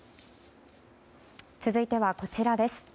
続いてはこちらです。